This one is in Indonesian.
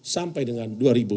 sampai dengan dua ribu dua puluh